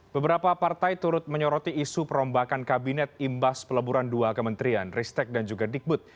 beberapa partai turut menyoroti isu perombakan kabinet imbas peleburan dua kementerian ristek dan juga dikbud